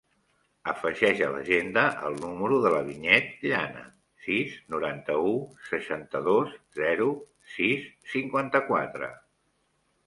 Afegeix a l'agenda el número de la Vinyet Llana: sis, noranta-u, seixanta-dos, zero, sis, cinquanta-quatre.